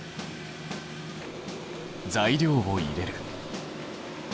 材料を入れる。